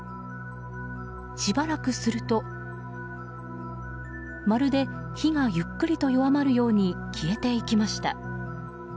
しばらくするとまるで火がゆっくりと弱まるように消えていきました。